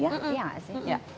iya gak sih